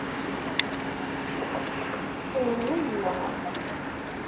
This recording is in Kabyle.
Ssnen-iyi.